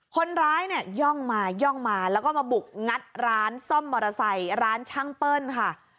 คนร้ายเนี่ยย่องมาย่องมาแล้วก็มาบุกงัดร้านซ่อมมอเตอร์ไซค์ร้านช่างเปิ้ลค่ะ